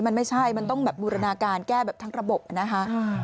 มันไม่ใช่มันต้องแบบบูรณาการแก้แบบทั้งระบบนะคะ